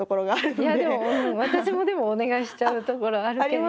いやでも私もでもお願いしちゃうところあるけれども。